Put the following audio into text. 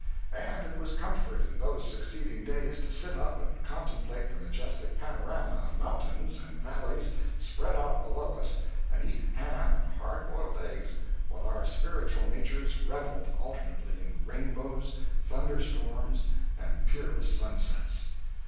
And it was comfort in those succeeding days to sit up and contemplate the majestic panorama of mountains and valleys spread out below us and eat ham and hard boiled eggs while our spiritual natures revelled alternately in rainbows, thunderstorms, and peerless sunsets.